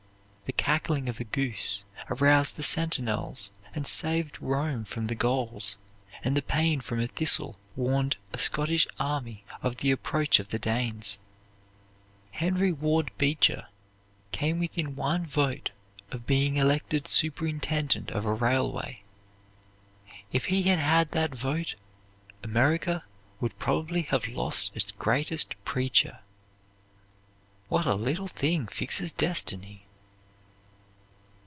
The cackling of a goose aroused the sentinels and saved Rome from the Gauls, and the pain from a thistle warned a Scottish army of the approach of the Danes. Henry Ward Beecher came within one vote of being elected superintendent of a railway. If he had had that vote America would probably have lost its greatest preacher. What a little thing fixes destiny!